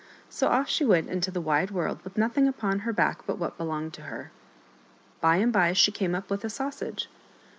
So off she went into the wide world with nothing upon her back but what belonged to her. By and by she came up with a sausage.